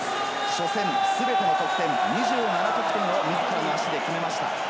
初戦全ての得点２７得点を自らの足で決めました。